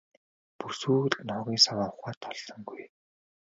Бүр сүүлд нь хогийн саваа ухаад олсонгүй.